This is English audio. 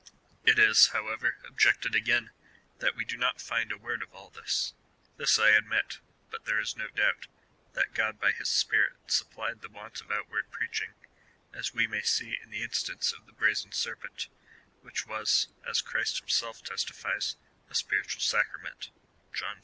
It is however objected again, that we do not find a word of all this. ^ This I admit, but there is no doubt, that God by his Spirit supplied the want of outward preaching, as we may see in the instance of the brazen serpent, which was, as Christ himself testifies, a spiritual sacrament, (John iii.